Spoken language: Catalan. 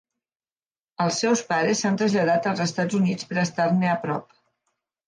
Els seus pares s'han traslladat als Estats Units per estar-ne a prop.